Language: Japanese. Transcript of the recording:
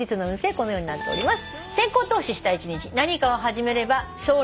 このようになっております。